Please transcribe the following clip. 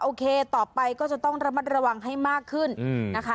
โอเคต่อไปก็จะต้องระมัดระวังให้มากขึ้นนะคะ